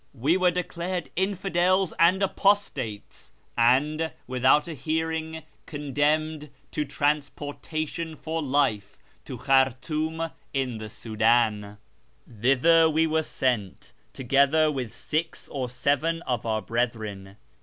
We were declared infidels and apostates, and, without a hearing, con demned to transportation for life to Khartoum in the Soudan. 33^ A YEAR AMONGST THE PERSIANS Tliither we were sent, together with six or seven of our brethren.